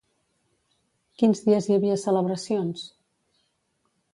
Quins dies hi havia celebracions?